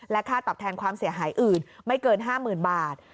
ค่าตอบแทนความเสียหายอื่นไม่เกิน๕๐๐๐บาท